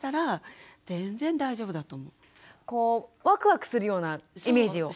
こうワクワクするようなイメージを。